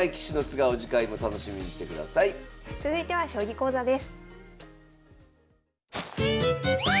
続いては将棋講座です。